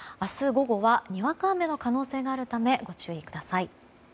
午後はにわか雨の可能性があるためご注意ください。